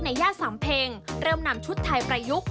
ย่านสำเพ็งเริ่มนำชุดไทยประยุกต์